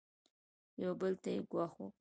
یو بل ته یې ګواښ وکړ.